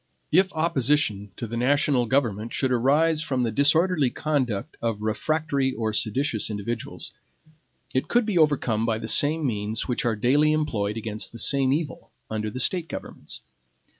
If opposition to the national government should arise from the disorderly conduct of refractory or seditious individuals, it could be overcome by the same means which are daily employed against the same evil under the State governments.